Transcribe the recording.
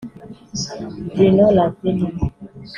Bruno Ravina